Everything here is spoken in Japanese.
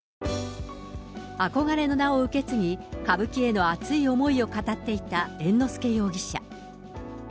憧れの名を受け継ぎ、歌舞伎への熱い思いを語っていた猿之助容疑者。